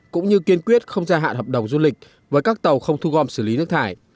cũng như kiên quyết không gia hạn hợp đồng du lịch với các tàu không thu gom xử lý nước thải